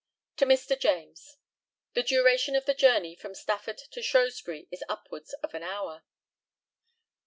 To Mr. JAMES: The duration of the journey from Stafford to Shrewsbury is upwards of an hour.